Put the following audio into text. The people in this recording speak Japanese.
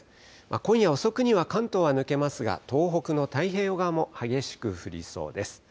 今夜遅くには関東は抜けますが東北の太平洋側も激しく降りそうです。